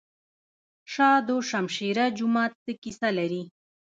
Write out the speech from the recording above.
شاه دوشمشیره جومات څه کیسه لري؟